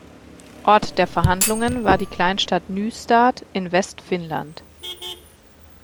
Ort der Verhandlungen war die Kleinstadt Nystad in Westfinnland.